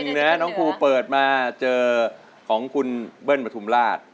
คุณจมครับเพลงที่๑น้องครูเปิดมาเจอของคุณเบิ้ลบทุมราช